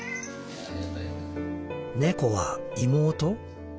「猫は妹？